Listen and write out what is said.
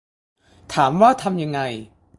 ถามว่าทำยังไง